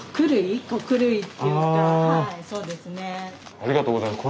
ありがとうございます。